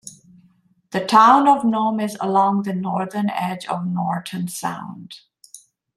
The town of Nome is along the northern edge of Norton Sound.